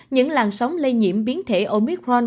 những làn sóng lây nhiễm biến thể omicron